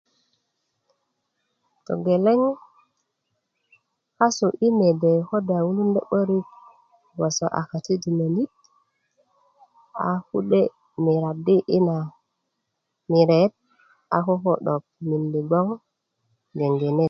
togeleŋ kasu i mede ko do wulundo 'borik bgoso a katodinonit a kule miradi i na miret a ko 'dok mindi bgoŋ ge net na